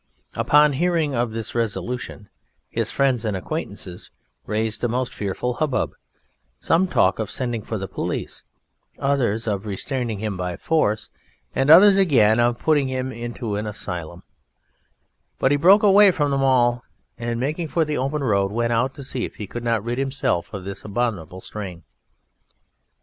Upon hearing of this resolution his friends and acquaintances raised a most fearful hubbub; some talked of sending for the police, others of restraining him by force, and others again of putting him into an asylum, but he broke away from them all, and, making for the open road, went out to see if he could not rid himself of this abominable strain.